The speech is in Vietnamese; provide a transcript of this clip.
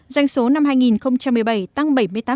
doanh số năm hai nghìn một mươi bảy tăng